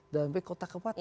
sampai kota kepatin